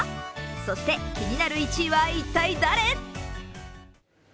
そして気になる１位は一体誰？